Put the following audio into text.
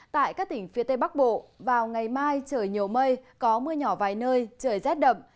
tại các tỉnh phía tây bắc bộ vào ngày mai trời nhiều mây có mưa nhỏ vài nơi trời rét đậm